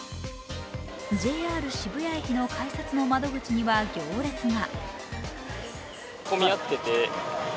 ＪＲ渋谷駅の改札の窓口には行列が。